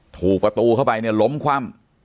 ถูกประตูเข้าไปเนี่ยล้มคว่ำ